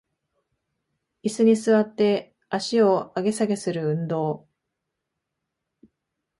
イスに座って足を上げ下げする運動